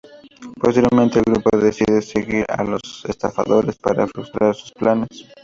Posteriormente, el grupo decide seguir a los estafadores para frustrar sus planes.